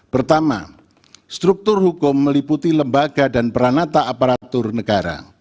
pertama struktur hukum meliputi lembaga dan peranata aparatur negara